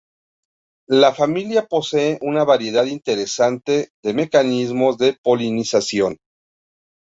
La familia posee una variedad interesante de mecanismos de polinización.